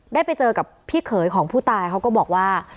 ได้ไปเจอกับพี่เขยของผู้ตายเขาก็บอกว่า